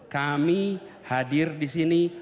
kami hadir disini